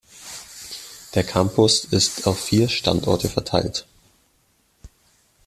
Der Campus ist auf vier Standorte verteilt.